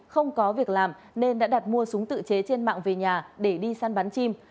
không có việc làm nên đã đặt mua súng tự chế trên mạng về nhà để đi săn bắn chim